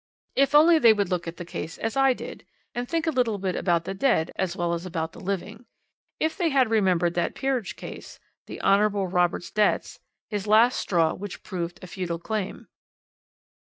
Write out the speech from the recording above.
"If only they would look at the case as I did, and think a little about the dead as well as about the living. If they had remembered that peerage case, the Hon. Robert's debts, his last straw which proved a futile claim.